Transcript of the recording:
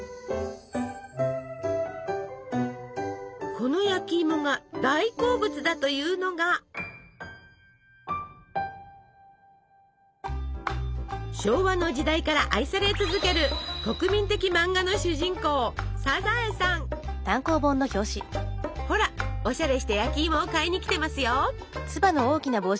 この焼きいもが大好物だというのが昭和の時代から愛され続ける国民的漫画の主人公ほらおしゃれして焼きいもを買いに来てますよ！